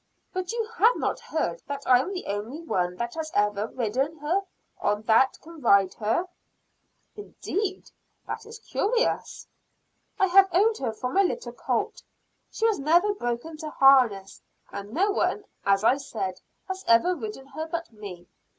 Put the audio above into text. But you have not heard that I am the only one that has ever ridden her or that can ride her." "Indeed! that is curious." I have owned her from a little colt. She was never broken to harness; and no one, as I said, has ever ridden her but me.